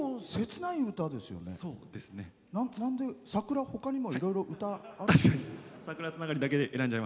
なんで、桜ほかにいろいろ歌ある。